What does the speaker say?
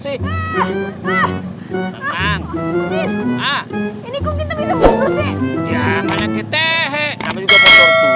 ah ah ah ah ini kok kita bisa berurus ya banyak kita he he